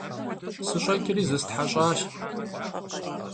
СыщӀэкӀри зыстхьэщӀащ.